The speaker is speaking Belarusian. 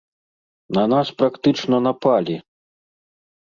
На нас практычна напалі!